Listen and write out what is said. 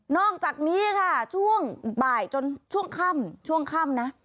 อกจากนี้ค่ะช่วงบ่ายจนช่วงค่ำช่วงค่ำนะ